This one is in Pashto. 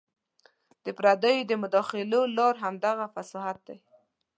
د پردیو د مداخلو لار همدغه صحافت دی.